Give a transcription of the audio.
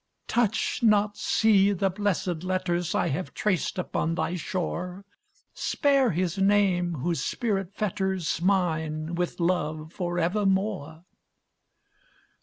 Touch not, sea, the blessed letters I have traced upon thy shore, Spare his name whose spirit fetters Mine with love forevermore!"